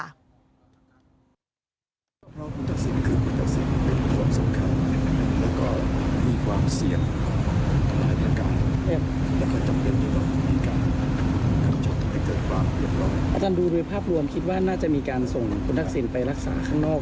อาจารย์ดูโดยภาพรวมคิดว่าน่าจะมีการส่งคุณทักษิณไปรักษาข้างนอก